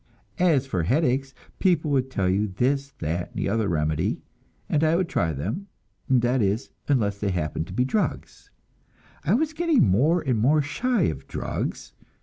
As for the headaches, people would tell you this, that, and the other remedy, and I would try them that is, unless they happened to be drugs. I was getting more and more shy of drugs.